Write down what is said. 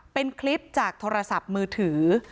เป็นคลิปจากโทรศัพท์มือถือ